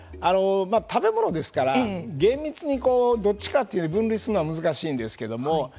食べ物ですから厳密にどっちかと分類するのは難しいんですけれども